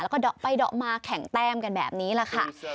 แล้วก็เดาะไปเดาะมาแข่งแต้มกันแบบนี้แหละค่ะ